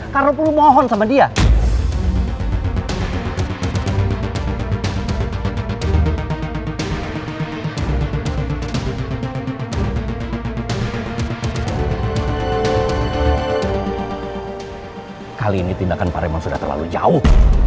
kali ini tindakan pak raymond sudah terlalu jauh